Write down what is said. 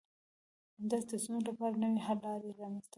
همداسې د ستونزو لپاره د نوي حل لارې رامنځته کوي.